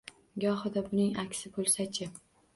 Gohida buning aksi bo`lsa-chi